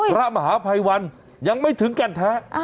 พระมหาภัยวันยังไม่ถึงแก่นแท้